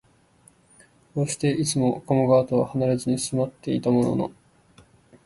こうして、いつも加茂川とはなれずに住まってきたのも、